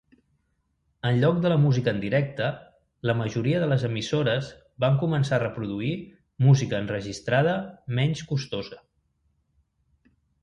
En lloc de la música en directe, la majoria de les emissores van començar a reproduir música enregistrada menys costosa.